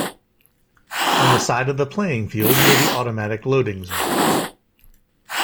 On the side of the playing field were the automatic loading zones.